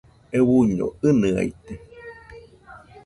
Euiño ɨnɨaite.